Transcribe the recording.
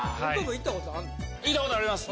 行ったことあります。